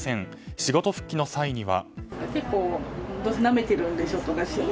仕事復帰の際には。